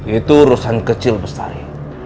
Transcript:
itu urusan kecil bestari